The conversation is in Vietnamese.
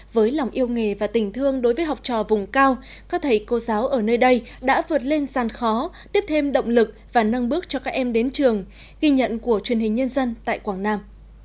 với lòng yêu nghề và tình thương đối với học trò vùng cao các thầy cô giáo ở nơi đây đã vượt lên sàn khó tiếp thêm động lực và nâng bước cho các em đến trường ghi nhận của truyền hình nhân dân tại quảng nam